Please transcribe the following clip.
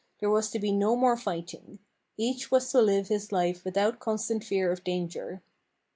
There was to be no more fighting. Each was to live his life without constant fear of danger.